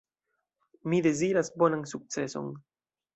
Mi deziras bonan sukceson.